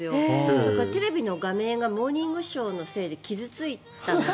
だから、テレビの画面が「モーニングショー」のせいで傷付いたので。